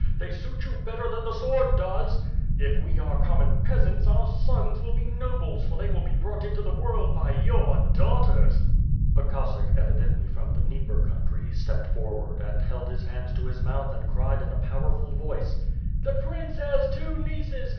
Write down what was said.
They suit you better than the sword does." "If we are common peasants our sons will be nobles for they will be brought into the world by your daughters." A Cossack, evidently from the Dnieper country, stepped forward and held his hands to his mouth and cried in a powerful voice: "The prince has two nieces.